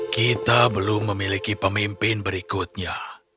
kita belum memiliki pemimpin berikutnya